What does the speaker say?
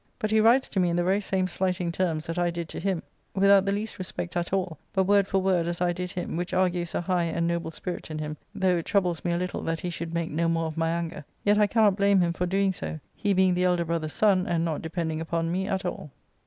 But he writes to me in the very same slighting terms that I did to him, without the least respect at all, but word for word as I did him, which argues a high and noble spirit in him, though it troubles me a little that he should make no more of my anger, yet I cannot blame him for doing so, he being the elder brother's son, and not depending upon me at all.